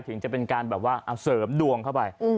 ถึงจะเป็นการแบบว่าเสริมดวงเข้าไป